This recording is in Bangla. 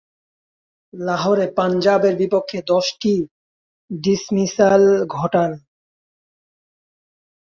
লাহোরে পাঞ্জাবের বিপক্ষে দশটি ডিসমিসাল ঘটান।